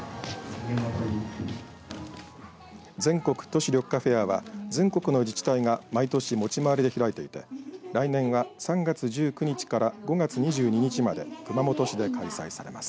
全国都市緑化フェアは全国の自治体が毎年持ち回りで開いていて来年は３月１９日から５月２２日まで熊本市で開催されます。